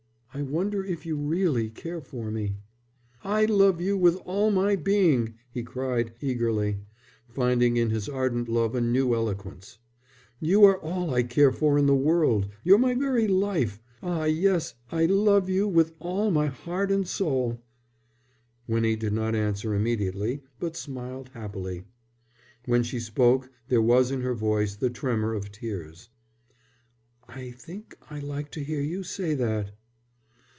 "I wonder if you really care for me?" "I love you with all my being," he cried, eagerly, finding in his ardent love a new eloquence. "You are all I care for in the world. You're my very life. Ah, yes, I love you with all my heart and soul." Winnie did not answer immediately, but smiled happily. When she spoke there was in her voice the tremor of tears. "I think I like to hear you say that."